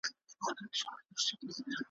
چي بهانه سي درته ګرانه پر ما ښه لګیږي ,